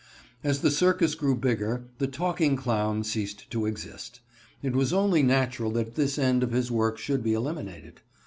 As the circus grew bigger, the talking clown ceased to exist. It was only natural that this end of his work should be eliminated.